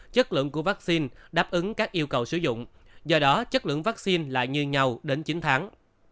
chất lượng của vaccine đáp ứng các yêu cầu sử dụng do đó chất lượng vaccine lại như nhau đến chín tháng